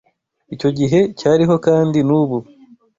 Icyo gihe cyariho kandi nubu.